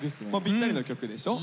ぴったりの曲でしょ。